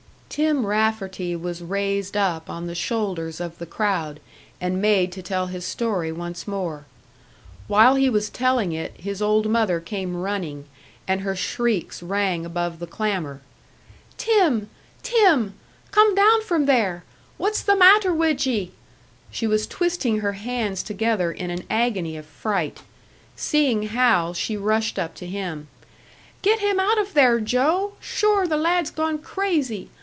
Tim Rafferty was raised up on the shoulders of the crowd and made to tell his story once more. While he was telling it, his old mother came running, and her shrieks rang above the clamour: "Tim! Tim! Come down from there! What's the matter wid ye?" She was twisting her hands together in an agony of fright; seeing Hal, she rushed up to him. "Get him out of there, Joe! Sure, the lad's gone crazy!